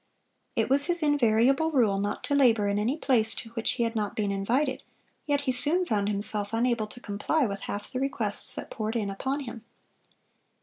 It was his invariable rule not to labor in any place to which he had not been invited, yet he soon found himself unable to comply with half the requests that poured in upon him.